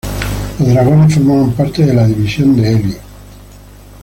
Los dragones formaban parte de la División de Elío.